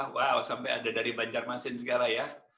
wow sampai ada dari banjarmasin segala ya